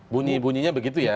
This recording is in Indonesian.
bunyinya begitu ya